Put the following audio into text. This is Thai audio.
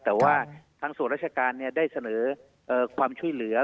แต่ว่าทางส่วนราชการได้เสนอความช่วยเหลือ